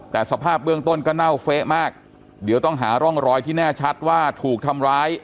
แต่สภาพเบื้องต้นก็เน่าเฟะมากเดี๋ยวต้องหาร่องรอยที่แน่ชัดว่าถูกทำร้าย